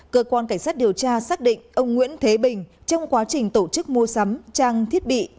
cơ quan cảnh sát điều tra xác định ông nguyễn thế bình trong quá trình tổ chức mua sắm trang thiết bị